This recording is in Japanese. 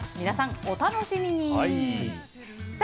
皆さん、お楽しみに。